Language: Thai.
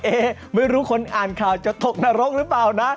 ไม่รู้คนอ่านข่าวจะถกนรกหรือเปล่านะ